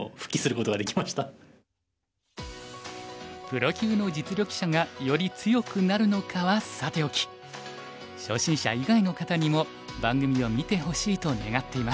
プロ級の実力者がより強くなるのかはさておき初心者以外の方にも番組を見てほしいと願っています。